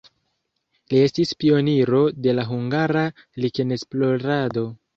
Li estis pioniro de la hungara likenesplorado.